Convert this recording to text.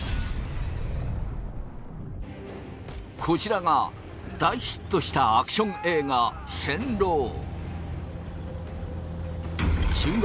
こちらが大ヒットしたアクション映画『戦狼』。